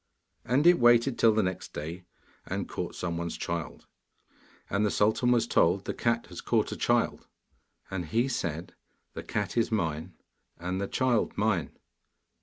And it waited till the next day, and caught some one's child. And the sultan was told, 'The cat has caught a child.' And he said, 'The cat is mine and the child mine.